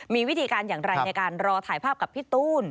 มีวิธีการอย่างไรในการรอถ่ายภาพกับพี่ตูน